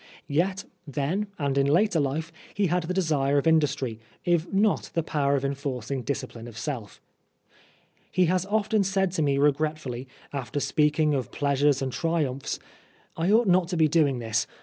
Yet, then and in later life, he had the desire of industry, if not the power of enforcing dis cipline of self. He has often said to me regretfully, after speaking of pleasures and triumphs, " I ought not to be doing this.